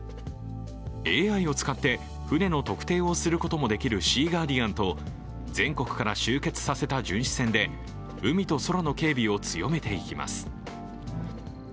ＡＩを使って船の特定をすることもできる「シーガーディアン」と全国から集結させた巡視船で海と空の警備を強めていきます。